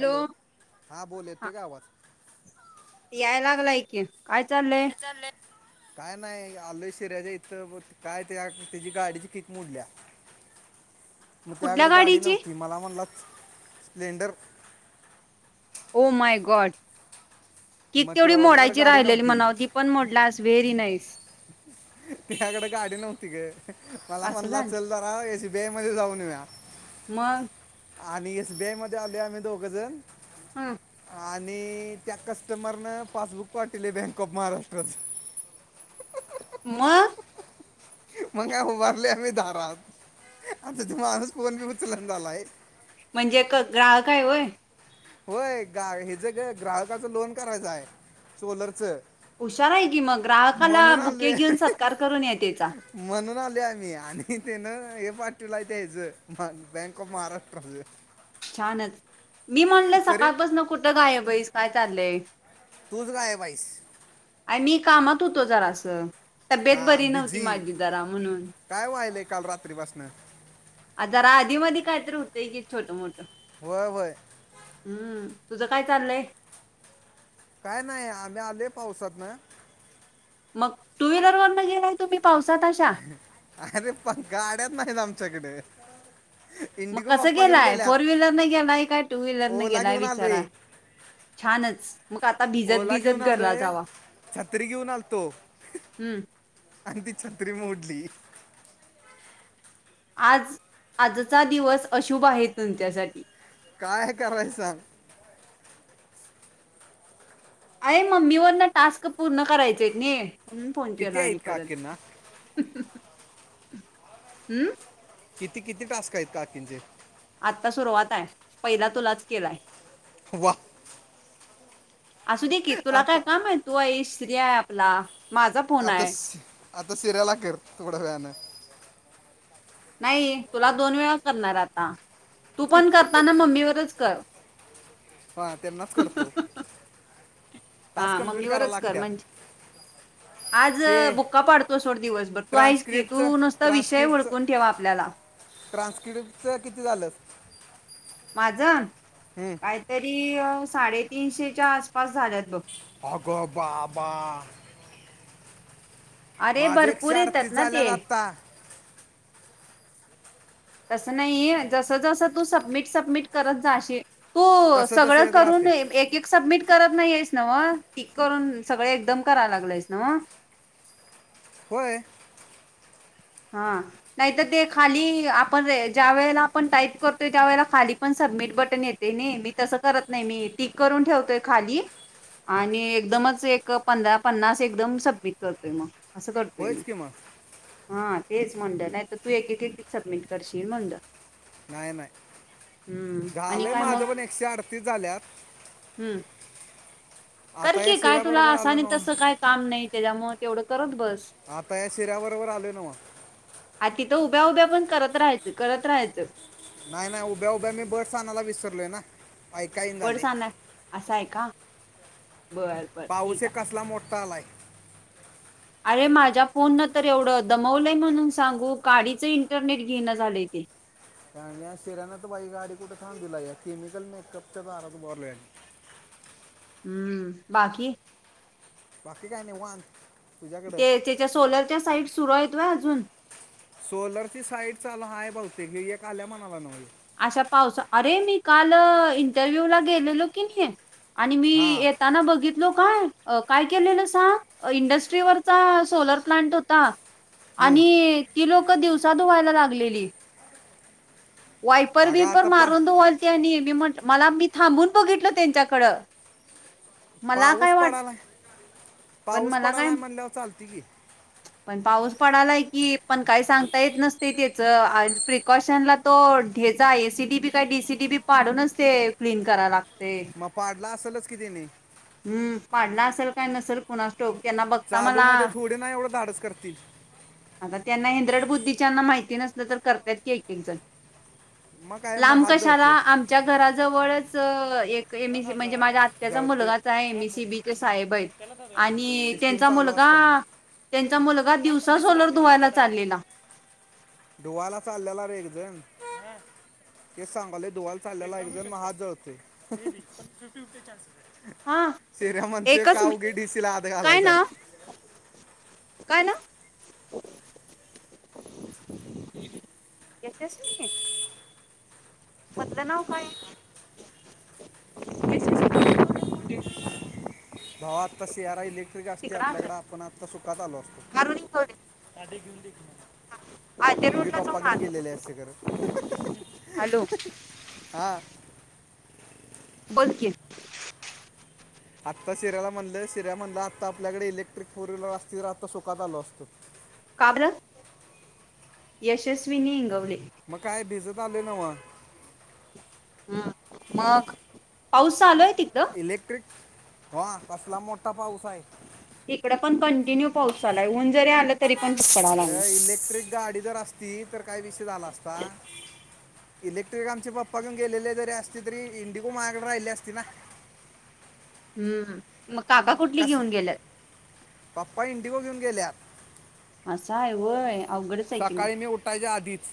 Hello हा बोल येतोय का आवाज? याय लागलाय की. चाललंय काय चालेत [unintelligible] काय नाही आलो शिऱ्याच्या इथं काय त्या त्याची गाडीची कीक मोडल्या [inaudible] मग कुठल्या त्याकडे गाडी गाडीची नव्हती मला म्हणला तू स्प्लेंडर ओ माय गॉड तीच मग तेवढी त्यो त्याकडे मोडायची गाडी राहिलेली नव्हती म्हणाव ती पण मोडलास. वेरी नाइस तेच्याकडे गाडी नव्हती ग मला असं म्हटलं झालं चल जरा एस बी आय मध्ये जाऊन येऊया. मग? आणि एसबीआय मध्ये आलोय आम्ही दोघजण हम आणि त्या कस्टमरनं पासबुक पाठवले बँक ऑफ महाराष्ट्राचं [inaudible] मग? मग आ उभारले आम्ही दारात आता त माणूस फोन बी उचलन झालाय. म्हणजे ग्राहक आहे होय? होय ह्याच ग हे ग्राहकाच लोन करायचंय हाय सोलरच. हुशार आहे की मग ग्राहकाला म्हणून बुके आलो घेऊन सत्कार करून येतेचा म्हणून आलोय आम्ही आणि ते ना हे पाठवले याच बँक ऑफ महाराष्ट्रा छानच मी म्हणल सकाळपासून कुठं गायब आहेस काय चाललंय? तूच गायब आहेस. आय मी कामात होतो जरास तब्येत बरी हां नव्हती बिझी माझी जरा म्हणून काय व्हायलंय काल रात्री पासना जरा आधीमध्ये कायतरी होतंय की छोट मोठं होय होय हम्म तुझं काय चाललंय? काय नाही आम्ही आलोय पावसात ना मग टू व्हीलर वरण गेलाय तुम्ही? पावसात अशा? अरे पण गाड्याच नाहीत आमच्याकड. मग कसं गेलाय फोर व्हीलरने गेलाय काय टू व्हीलर न ओला गेलाय घेऊन आलोय विचारालोइ? छानच! मग आता भिजत ओला भिजत घेऊन घरला आलोय जावा. छत्री घेऊन आलतो हम्म आणि ती छत्री मोडली. आज आजचा दिवस अशुभ आहे तुमच्यासाठी काय करायच सांगा?? अरे मग्मी वरन टास्क पूर्ण करायचे आहेत की नाही म्हणून फोन केलो किती आहेत आणि काकींना परत हम् किती किती टास्क आहेत काकींचे आत्ता सुरुवात आहे. पहिला तुलाच केलाय, वा असू दे की तुला काय आता काम आहे तू आईस श्री आहे आपला माझा फोन आता आहे. सि- आता सिर्या ला कर थोड्या वेळान, नाही तुला दोन वेळा करणार आता तू पण करताना मम्मीवरच कर हा त्यांनाच करतो. टास्क हा कंप्लीट करावं मम्मीवरच कर लागतात म्हणजे, आज ते बुक्का पाडतो सोड दिवसभर तू आहेस की ट्रान्सक्रिप्टचं तू नुसता विषय हूडकून ठेव आपल्याला, ट्रान्सकीटचं किती झालं? माझ हम्म. काहीतरी साडेतीनशेच्या आसपास झाल्यात बघ. अगं बाबा अरे माझं एकशे भरपूर येतात अडतीस ना झाल्यात ते, आत्ता तसं नाही जस जसं तू सबमिट सबमिट करत जाशील. तू तसं तसं सगळं येत राहते करून एक एक सबमिट करत नाहीस नव्हं की करून सगळे एकदम कराय लागलायस नव्हं. होय. हा नाही तर ते खाली आपण ज्या वेळेला आपण टाईप करतोय त्या वेळेला खाली पण सबमिट बटन येते नाही. मी तसं करत नाही मी टिक करून ठेवतोय खाली आणि एकदमच एक पंधरा पन्नास एकदम सबमिट करतोय मग असं करतोय मी होयच की मग हा तेच म्हटलं नाही तर तू एक एक सबमिट करशील म्हटलं नाही नाही आणि झालय काय माझ मग पण एकशे अडतीस झाल्यात हम्म कर आता की या अ काय तुला शिऱ्याबरोबर असं आलो आणि ना तसं काय काम नाही त्याच्यामुळ तेवढं करत बस. आता या शिऱ्या बरोबर आलोय नव्ह. आ तिथं उभ्या उभ्या पण करत राहायचं करत राहायचं. नाही नाही उभ्या उभ्या मी बर्ड्स आणायला विसरलोय ना. ऐकाईन झाले बर्ड्स आणाय असं आहे का. बर बर ठीक पाऊस आहे एक कसला मोठा आलाय. अरे माझ्या फोन न तर एवढं दमवलंय म्हणून सांगू काडीचं इंटरनेट घेणं झालंय ते. [unintelligible] राण्या शिर्याने बाईक गाडी कुठे थांबविलाय या केमिकल मेकअपच्या दारात उभारलोय. हम्म बाकी, बाकी काय नाही. निवांत ते त्याच्या सोलरच्या साईट सुरू आहेत होय. अजून सोलर ची साईट चालू आहे. बहूतेक हे एक आल्या म्हणालाय नव्ह. अशा पावस अरे मी काल इंटरव्ह्यू ला गेलेलो की नाही. आणि मी हां येताना बघितलो काय. काय केलेलं सांग इंडस्ट्रीवरचा सोलर प्लांट होता. हं. आणि ती लोक दिवसा धूवायला लागलेली. वायपर अगं बिपर आता पा मारून धुवालती आणि मी म्हटलं मला मी थांबून बघितलं त्यांच्याकडं. मला पाऊस काय वाट पडालाय पण पाऊस मला काय पडालाय म्हणल्यावर चालतय की. [inaudible] पण पाऊस पडालाय की पण काही सांगता येत नसतय त्याच प्रिकॉशनला तो तेचा आय सी बी बी काय डी सी बी बी पाडूनच ते अ क्लीन कराय लाग मग पाडला असेलच कि तेनी. हम् पाडला असल काय नसल कुणास ठाऊक. त्यांना बघता चालू मला मध्ये थोडे ना एवढं धाडस करतील. आता त्यांना हेंद्रट बुद्धीच्याना माहिती नसल तर करत्यात की एक एक जण. मग काय मग लाब हात कशाला जळते आमच्या घराजवळच अ एक ए ए सी म्हणजे माझ्या आत्याचा जळतोय मुलगाच हाय एम ए सी बी च साहेब हायत आणि सिस्टीम त्यांचा मुलगा [inaudible] त्यांचा मुलगा दिवसा सोलर धुवायला चाललेला. चालल्याला रे एक जण. ते सांगलोय धुवाल चाललेला एक जण म हात जळतोय. हा शिऱ्या म्हणतय एकच का उगी मि- डीसी ला आत काय घालाचाय. ना काय ना [unintelligible] [inaudible] भावा आता सी आ रा इलेक्ट्रिक असतय तिकडं असल आपल्याकड आपण आत्ता सुकात आलो असतो. अरुणी इंगवले [unintelligible] आद्या कि बी रोडला बाप्पा जाऊन घेऊन आलो गेलेले असे कर हॅलो हां बोल की आत्ता शिऱ्याला म्हणलं शिऱ्या म्हणलं आता आपल्याकड इलेक्ट्रिक फोर व्हीलर असती तर आता सुखात आलो असतो. का बर यशस्वीनी इंगवले मग काय भिजत आलोय नव्ह. हम् मग पाऊस चालूय इलेक्ट्रिक ह कसला मोठा पाऊस आहे इकड पण कंटिन्यू पाऊस चालूय ऊन जरी आला तरी पण पडायला अग लागलं इलेक्ट्रिक गाडी जर असती तर काय विषय झाला असता इलेक्ट्रिक आमचे पप्पा घेऊन गेलेले जरी असले तरी इंडिगो मायाकड राहिली असतीना. [inaudible] हम्म मग काका कुठली कस घेऊन गेल्यात. पप्पा इंडिगो घेऊन गेल्यात. अस हाय होय. सकाळी मी उठायच्या आधीच.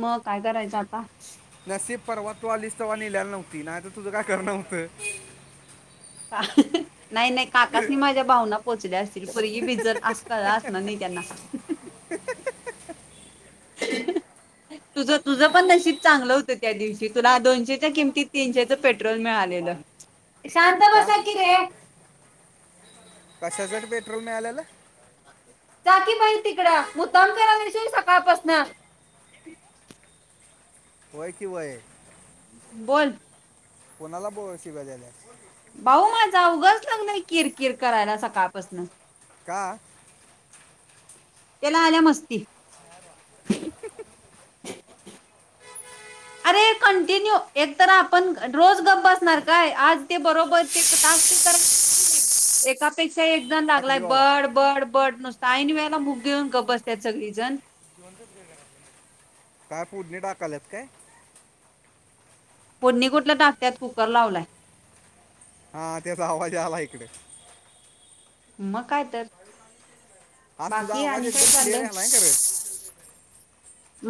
मग काय करायचं आता. नसिफ परवा तू आलीस तवा नेल्याली नव्हती नाही तर तुझं काय खरं नव्हतं. का नाही नाही काकासनी माझ्या भावना पोचल्या असतील पुरगी भिजल अस कळलं असणार नई त्यांना. [inaudible] तुझं तुझं पण नशीब चांगलं हुत त्या दिवशी तुला दोनशेच्या किमतीत तीनशेचं पेट्रोल मिळालेलं. शांता का बसा कि रे कशासाठी पेट्रोल मिळाल्याल. जा की बाई तिकड मुद्दाम करायलास होय सकाळपासन. होय कि वय बोल कोणाला ब शिवा झाला भाऊ माझं अवघाच लागलय किर किर करायला सकाळपासन का त्याला आल्यामस्ती [inaudible] अरे कंटिन्यू एक तर आपण रोज गप बसणार काय आज ते बरोबर ते सांगतू एका पैक्ष एक जण लागलाय टाकली बाबा बड बड बड नुसता ऐन वेळेला मुूक घेऊन ग बसतत सगळीजण काय फोडणी टाकाल्यात काय? पोडणी कुठलं टाकत्यात? कुकर लावलाय. हा त्याचा आवाज आला इकडे. मग काय तर? आज तुझा बाकी आवाज आणि काय एकदम क्लिअर चाललंय आलाय खर.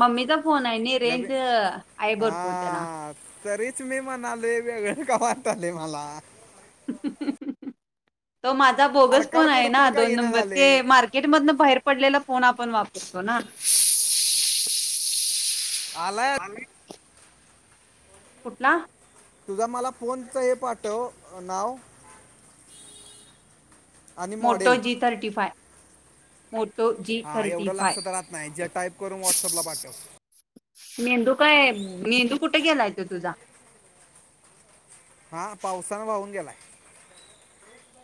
मम्मीचा फोन आहे आणि रेंज आहे भरपूर त्याला. ते वेगळे का वाटाले मला? [unintelligible] तो माझा बोगस अडकाड फोन आहे ना कुडकुड काय दोन येणं नंबर. झाले ते मार्केटमधन बाहेर पडलेला फोन आप पण वापरतो ना. अलग कुठला? तुझा मला फोनच हे पाठव नाव. आणि Moto model G thirty five. Moto G हा थर्टी एवढं फाय. लक्षात राहत नाही जे टाईप करून व्हॉट्सअपला पाठव मेंदू काय मेंदू कुठे गेलाय तो तुझा? हा पावसानं वाहून गेलाय.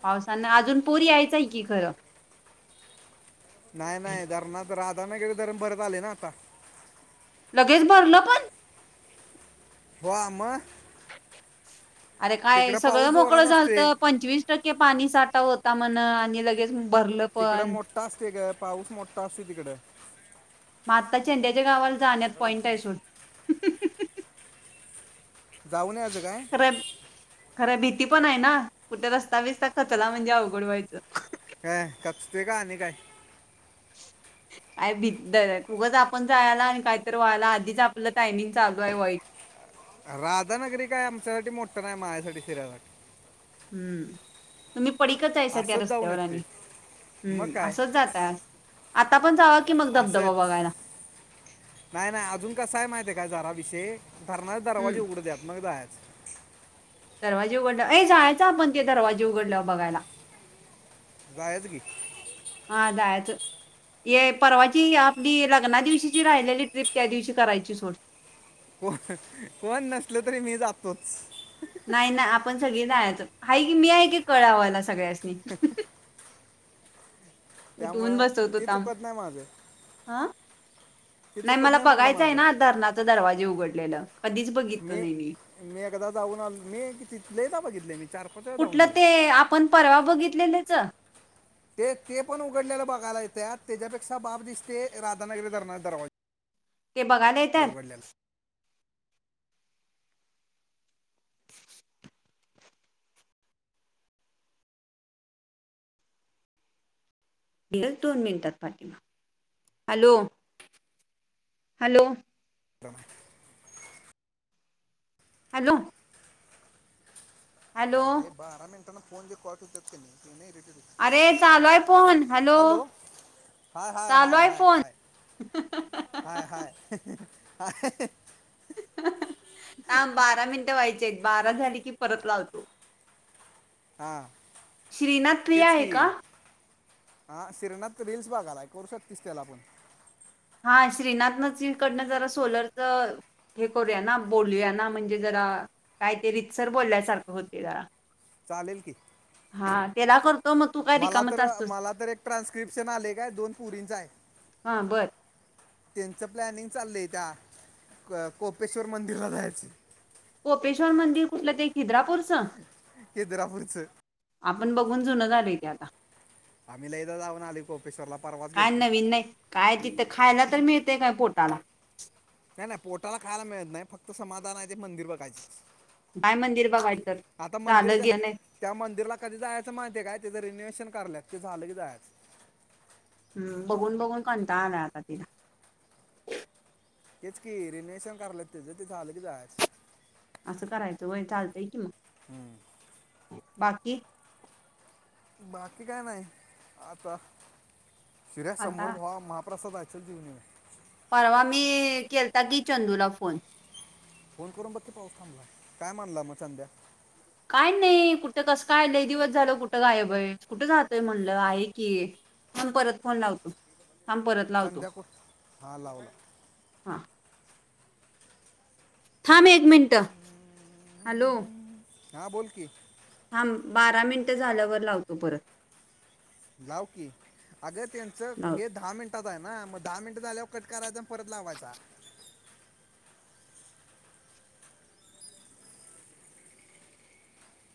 पावसान अजून पूर यायचंय की खरं. नाही नाही धरणात, राधानागरी धरण भरत आले ना आता. लगेच भरलं पण? वा! म. अरे काय सगळं पाऊस मोकळं जोरात झाल असतोय तर पंचवीस टक्के पाणी साठा व्ह ता म्हण आणि लगेच भरलं तिकड पण मोठा असते गं. पाऊस मोठा असते तिकड. म आता चेंड्याच्या गावाला जाण्यात पॉइंट आहे सोड. जाऊन याचं काय? खरं खरं भीती पण आहे ना. कुठे रस्ता बिस्ता खचला म्हणजे अवघड व्हायचं. हां, खचतोय का आणि काय? [inaudible] काय भीतर ऊगंच आपण जायला आणि काहीत व्हायला. आधीच आपलं टायमिंग चालू आहे वाईट. राधानगरी काय आमच्यासाठीठी मोठं नाही माझ्यासाठी फिरायला. हं, तुम्ही पडकच हाय सध्या असंच जाऊन रस्त्यावर येते आणि. मग हं, काय असंच जातय. आता पण जावा की मग धबधबा असंच बघायला. नाही नाही अजून कस आहे माहित आहे काय जरा विषयी? धरणाचे हम्म दरवाजे उघडू द्यात मग जाया दरवाजे उघडले, ए जायचं आपण ते दरवाजे उघडल्यावर बघायला. जायचं की. हा जायचं. ये परवाची आपली लग्ना दिवशीची राहिलेली ट्रिप त्या दिवशी करायची सोड. कोण कोण नसल तरी मी जातोच. नाही ना आपण सगळे जायाचं. आहे की, मी आहे की कळ लावायला सगळ्यासनी. उठवून त्यामुळं बसवतो ते थांब. चुकत नाही माझं हां? ते नाही चुकत मला म्हणलं बघायचं आहे माझं ना धरणाच दरवाजे उघडलेलं. कधीच बघितलं नाही मी. मी एकादा जाऊन आलो. मी किती लायदा बघितलंय मी. चार पाच वेळा जाऊन कुठलं आले ते आपण परवा बघितलेलेच? ते ते पण उघडलेलं बघायला येत्यात त्याच्यापेक्षा बाप दिसते राधनागिरी धनराचं दरवाजे. ते बघायला येतात? उघडलेला घेईल दोन मिनटात पाठीमाग. Hello, hello, [unintelligible] hello! हॅलो लय बारा मिनटं फोन जे कॉट होत्यात तेनी अरे चालोय फोन. हॅलो! चालू आहे हाय-हाय-हाय-हाय-हाय-हाय- फोन हाय. [inaudible] [inaudible] थांब बारा मिनिटं व्हायचे आहेत बारा झाली की परत लावतो. हां श्रीनाथ प्रिया आहे का? हा श्रीनाथ तर रील्स बघालाय करू शकतीस त्याला फोन. हा श्रीनाथनकडनं जरा सोलरच हे करूया ना बोलूया ना म्हणजे जरा काय ते रितसर बोलल्यासारखं होते जरा. चालेल की. हा तेला करतो. मग तू काय मला रिकामच तर असतोस मला तर एक ट्रान्स्क्रिप्शन आले काय दोन पुरींचा आहे. हां, बरं. त्यांचं प्लॅनिंग चाललंय त्या कोपेश्वर मंदिरला जायचे. कोपेश्वर मंदिर कुठलं ते खिद्रापूरचं? खिद्रापूरच. आपण बघून जुनं झालेय ते आता. आम्ही लायदा जाऊनआलोय कोपेश्वरला परवाच काय गेलतो. नवीन नाही काय तिथं मिळेतय काय पोटाला? नाही नाही पोटाला खायला मिळत नाही फक्त समाधान आहेते मंदिर बघायचे. [unintelligible] मंदिर. बघाय तर आता मंदिर झालं गे नाही त्या मंदिरला कधी जायचं माहिती काय त्या. [unintelligible] शिक्णल्या ते झालं की जायचं. हम्म! बघून बघून कंटाळा आला आता तेला. तेच कि रिनोएशन कराल्यात तेच ते झालं की जायचा. असं करायचं वय चालतंय की मग. हम्म! बाकी? बाकी काय नाही आता शिऱ्यासमोर आता भावा महाप्रसादा तिथंच जेवून यायचं. परवा मी केलता की चंदूला फोन. फोन करून बघ की पाउस थांबला काय म्हणाला मग चंदया. काय नाही कुठं कसं काय लंय दिवस झाल कुठं गायब कुठं जातोय म्हणलं आहे की. मग परत फोन लावतो थांब परत लावतो चंद्या को हा लावला हा. थांब एक मिनट. हॅलो! हा बोल की हां बारा मिनिटं झाल्यावर लावतो परत लाव की आग त्यांच लाव हे दहा मिनट टाच आहे ना मग दहा मिनट झाल्यावर कट करायचा परत लावायचा.